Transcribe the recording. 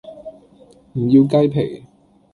唔要雞皮